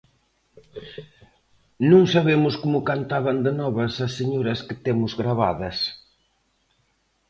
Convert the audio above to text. Non sabemos como cantaban de novas as señoras que temos gravadas.